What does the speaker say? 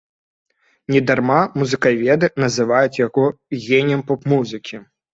Не дарма музыкаведы называюць яго геніем поп-музыкі.